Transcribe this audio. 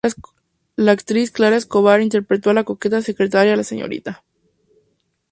La actriz Clara Escobar interpretó a la coqueta secretaria, la "Srta.